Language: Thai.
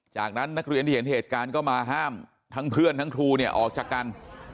จากนั้นนักเรียนที่เห็นเหตุการณ์ก็มาห้ามทั้งเพื่อนทั้งครูเนี่ยออกจากกัน